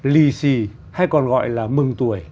lì xì hay còn gọi là mừng tuổi